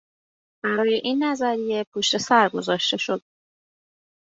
برای این نظریه پشت سر گذاشته شد